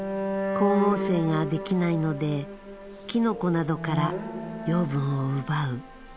光合成ができないのでキノコなどから養分を奪う。